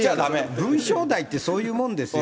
文章題ってそういうものですよ。